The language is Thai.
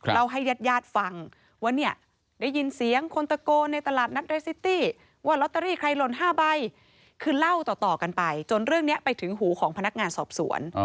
ลอตเตอรี่ใครลน๕ใบคือเล่าต่อกันไปจนเรื่องนี้ไปถึงหูของพนักงานสอบสวน